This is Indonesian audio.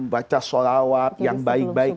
baca sholawat yang baik baik